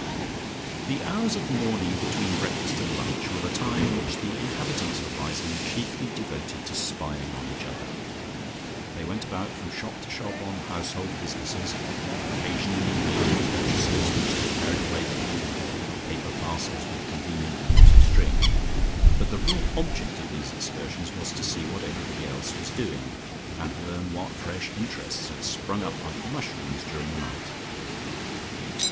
The hours of the morning between breakfast and lunch were the time which the inhabitants of Riseholme chiefly devoted to spying on each other. They went about from shop to shop on household businesses, occasionally making purchases which they carried away with them in little paper parcels with convenient loops of string, but the real object of these excursions was to see what everybody else was doing, and learn what fresh interests had sprung up like mushrooms during the night.